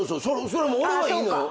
それも俺はいいのよ。